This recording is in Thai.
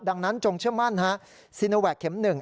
ดังนั้นจงเชื่อมั่นซีโนแวคเข็ม๑